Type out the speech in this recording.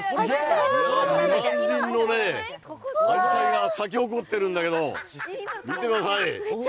２万輪のあじさいが咲き誇ってるんだけど、見てください。